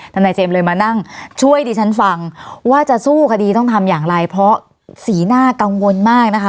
ทนายเจมส์เลยมานั่งช่วยดิฉันฟังว่าจะสู้คดีต้องทำอย่างไรเพราะสีหน้ากังวลมากนะคะ